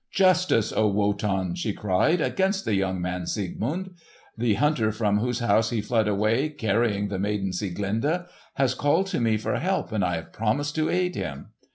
"Justice, O Wotan!" she cried, "against the young man Siegmund! The hunter from whose house he fled away, carrying the maiden Sieglinde, has called to me for help, and I have promised to aid him."